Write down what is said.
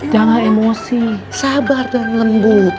jangan emosi sabar dan lembut